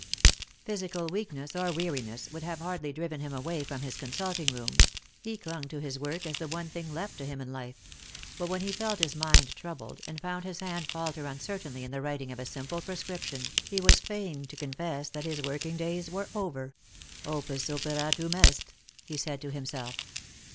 Physical weakness or weariness would have hardly driven him away from his consulting room — he clung to his work as the one thing left to him in life — but when he felt his mind troubled, and found his hand falter uncertainly in the Lost for Love. 343 writing of a simple prescription, he was fain to confess that his working days were over. " Opus operatum est," he said to himself.